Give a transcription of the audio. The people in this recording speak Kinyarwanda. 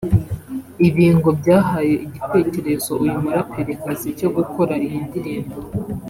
Ibi ngo byahaye igitekerezo uyu muraperikazi cyo gukora iyi ndirimbo